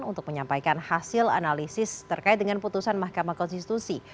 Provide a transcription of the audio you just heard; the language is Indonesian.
untuk menyampaikan hasil analisis terkait dengan putusan mahkamah konstitusi